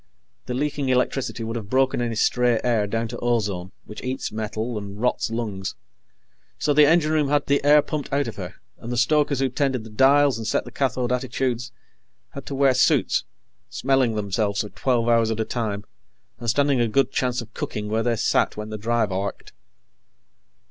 The leaking electricity would have broken any stray air down to ozone, which eats metal and rots lungs. So the engine room had the air pumped out of her, and the stokers who tended the dials and set the cathode attitudes had to wear suits, smelling themselves for twelve hours at a time and standing a good chance of cooking where they sat when the drive arced.